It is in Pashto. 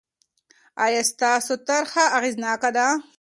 آیا ستاسو طرحه اغېزناکه ده؟